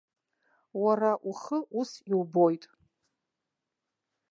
Уара ухы ус иубоит.